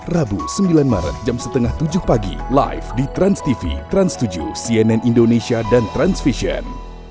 rabu sembilan maret jam setengah tujuh pagi live di transtv trans tujuh cnn indonesia dan transvision